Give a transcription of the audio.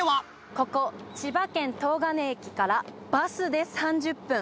ここ、千葉県東金駅から、バスで３０分。